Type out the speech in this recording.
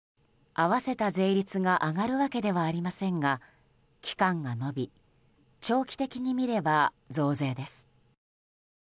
合わせた税率が上がるわけではありませんが期間が延び長期的に見れば増税です。